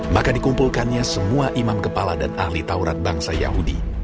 maka dikumpulkannya semua imam kepala dan ahli tauran bangsa yahudi